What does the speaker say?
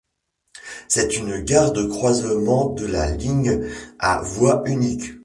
C'est une gare de croisement de la ligne à voie unique.